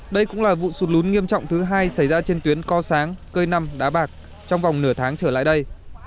đây cũng là vụ sụt lún nghiêm trọng thứ hai xảy ra trên tuyến co sáng cơi năm đá bạc trong vòng nửa tháng trở lại đây